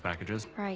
はい。